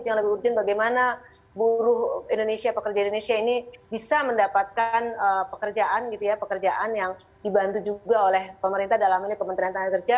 yang lebih urjin bagaimana buruh indonesia pekerja indonesia ini bisa mendapatkan pekerjaan yang dibantu juga oleh pemerintah dalamnya kementerian tanah kerja